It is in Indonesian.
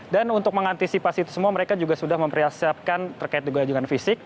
dan untuk mengantisipasi itu semua mereka juga sudah mempersiapkan terkait juga dengan fisik